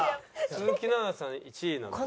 鈴木奈々さん１位なんですね。